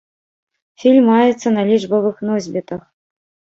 Фільм маецца на лічбавых носьбітах.